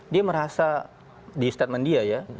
dia merasa di statement dia ya